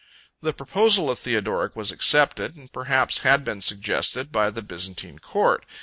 The proposal of Theodoric was accepted, and perhaps had been suggested, by the Byzantine court.